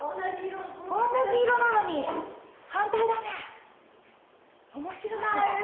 おんなじ色なのに反対だねえ。